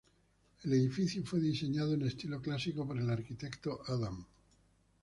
El edificio fue diseñado en estilo clásico por el arquitecto Adam.